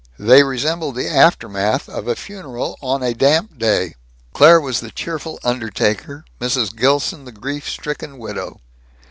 They resembled the aftermath of a funeral on a damp day. Claire was the cheerful undertaker, Mrs. Gilson the grief stricken widow.